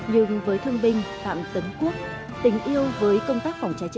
nhưng với thương binh phạm tấn quốc tình yêu với công tác phòng trái trị